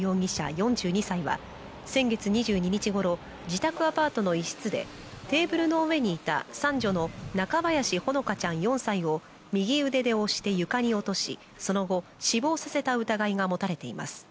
４２歳は、先月２２日ごろ、自宅アパートの一室で、テーブルの上にいた三女の中林ほのかちゃん４歳を右腕で押して床に落としその後、死亡させた疑いが持たれています。